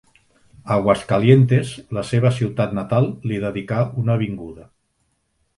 Aguascalientes, la seva ciutat natal, li dedicà una avinguda.